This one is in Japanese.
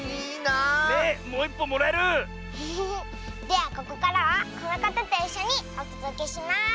ではここからはこのかたといっしょにおとどけします。